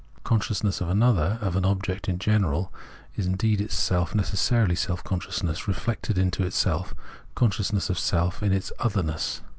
Consciousness of an other, of an object in general, is indeed itself necessarily self consciousness, reflectedness into self, consciousness of self in its otherness.